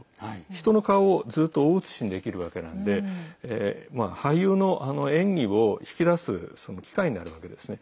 人の顔をずっと大映しにできるわけなので俳優の演技を引き出す機会になるわけですね。